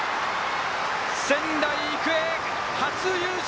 仙台育英初優勝。